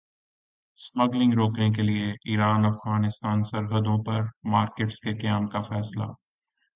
smuggling روکنے کیلئے Iran Afghanistan سرحدوں پر مارکیٹس کے قیام کا فیصلہ